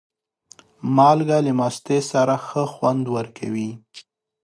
مالګه له مستې سره ښه خوند ورکوي.